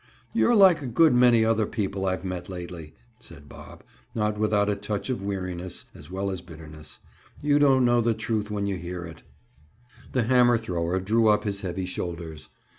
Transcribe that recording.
"You're like a good many other people I've met lately," said Bob, not without a touch of weariness as well as bitterness. "You don't know the truth when you hear it." The hammer thrower drew up his heavy shoulders.